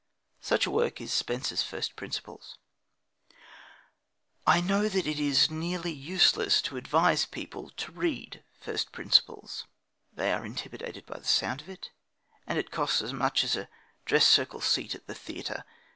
Such a work is Spencer's First Principles. I know that it is nearly useless to advise people to read First Principles. They are intimidated by the sound of it; and it costs as much as a dress circle seat at the theatre.